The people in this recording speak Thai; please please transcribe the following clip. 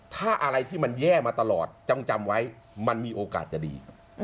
ถ้าอะไรที่มันแย่มาตลอดจ้องจำไว้มันมีโอกาสจะดี